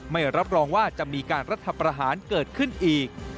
ไม่รับรองว่าจะมีการรัฐประหารเกิดขึ้นอีก